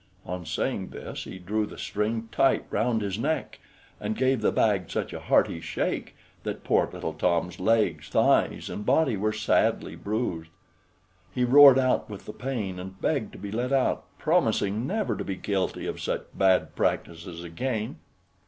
On saying this, he drew the string tight round his neck, and gave the bag such a hearty shake, that poor little Tom's legs, thighs, and body were sadly bruised. He roared out with the pain, and begged to be let out, promising never to be guilty of such bad practices again.